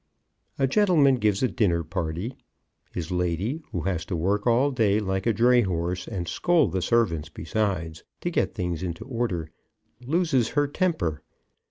A gentleman gives a dinner party. His lady, who has to work all day like a dray horse and scold the servants besides, to get things into order, loses her temper.